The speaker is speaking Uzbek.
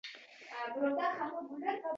Dunyoda Fotima onalar bo'lganidek